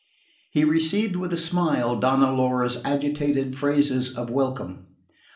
He received with a smile Donna Laura's agitated phrases of welcome.